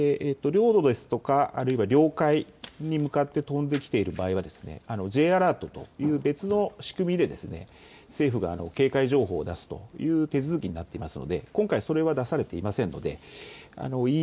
道路ですとか、あるいは領海に向かって飛んできている場合はＪアラートという別の仕組みで政府が警戒情報を出すという手続きになっていますので今回それは出されていません。